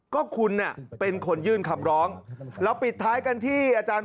ก็คุณเป็นคนยื่นคำร้องเราปิดท้ายกันที่อาจารย์